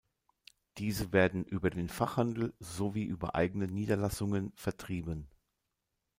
Diese werden über den Fachhandel sowie über eigene Niederlassungen vertrieben.